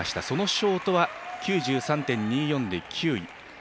そのショートは９３．２４で９位。